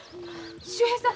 秀平さん